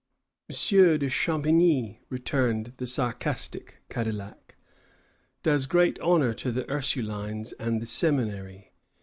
"M. de Champigny," returned the sarcastic Cadillac, "does great honor to the Ursulines and the Seminary.